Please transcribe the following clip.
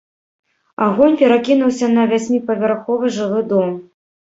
Агонь перакінуўся на васьміпавярховы жылы дом.